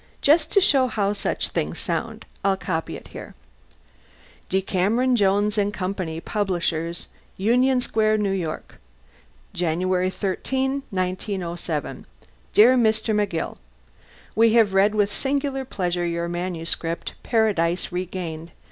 Just to show how such things sound I'll copy it here: DECAMERON, JONES AND COMPANY PUBLISHERS UNION SQUARE, NEW YORK January 13, 1907. DEAR MR. McGILL: We have read with singular pleasure your manuscript "Paradise Regained."